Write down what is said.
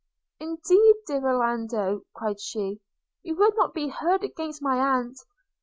– 'Indeed, dear Orlando,' cried she, 'you would not be heard against my aunt.